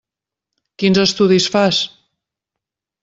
Quins estudis fas?